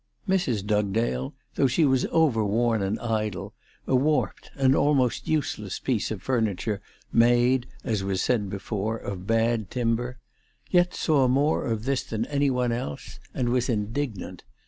Mrs. Dugdale, though she was overworn and idle, a warped and almost useless piece of furniture, made, as was said before, of bad timber, yet saw more of ALICE DUGDALE. 357 this than anyone else, and was indignant.